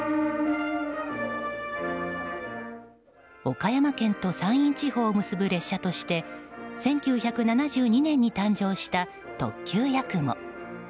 岡山県と山陰地方を結ぶ列車として１９７２年に誕生した特急「やくも」。